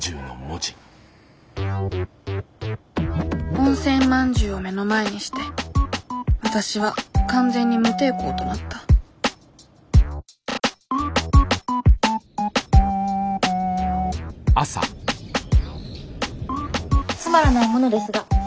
温泉まんじゅうを目の前にしてわたしは完全に無抵抗となったつまらないものですが。